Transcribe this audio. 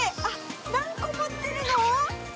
何個持ってるの？